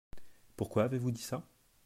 Pourquoi avez-vous dit ça ?